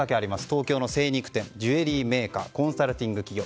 東京の精肉店ジュエリーメーカーコンサルティング企業